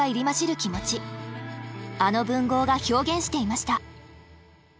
あの文豪が表現していました。